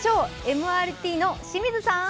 ＭＲＴの清水さん。